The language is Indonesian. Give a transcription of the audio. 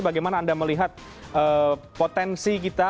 bagaimana anda melihat potensi kita